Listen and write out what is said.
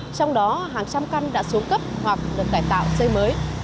trong đó hàng trăm căn đã xuống cấp hoặc được cải tạo xây mới